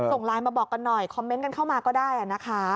ส่งไลน์มาบอกกันหน่อยคอมเมนต์กันเข้ามาก็ได้นะคะ